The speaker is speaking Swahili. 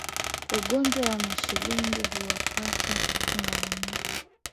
Ugonjwa wa mashilingi huwapata ngamia